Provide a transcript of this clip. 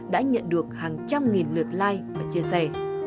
đã nhận được hàng trăm nghìn lượt like và chia sẻ